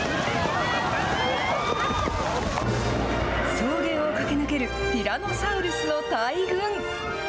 草原を駆け抜けるティラノサウルスの大群。